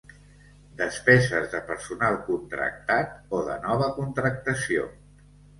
Despeses de personal contractat o de nova contractació.